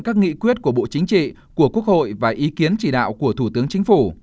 chính trị của quốc hội và ý kiến chỉ đạo của thủ tướng chính phủ